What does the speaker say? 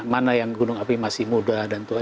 mana yang gunung api masih muda dan tua